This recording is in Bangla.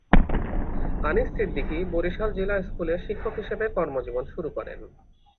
আনিস সিদ্দিকী বরিশাল জিলা স্কুলে শিক্ষক হিসেবে কর্মজীবন শুরু করেন।